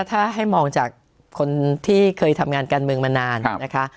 ถ้าให้มองจากคนที่เคยทำงานการเมืองมานานนะคะ